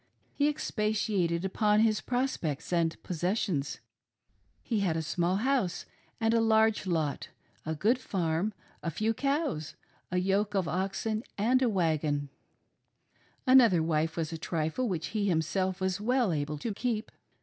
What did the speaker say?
He expatiated upon his prospects and possessions :— he had a small house and a large lot, a good farm, a few cows, a yoke of oxen, and a wagon, — another wife was a trifle which he felt himself well able to keep.